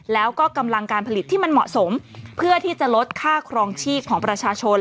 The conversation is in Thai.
แล้วก็กำลังการผลิตที่มันเหมาะสมเพื่อที่จะลดค่าครองชีพของประชาชน